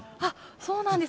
そうなんです。